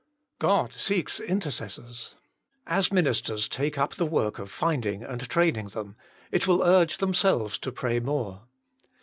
God seeks intercessors. As ministers take up the work of finding and training them it will urge themselves to pray more.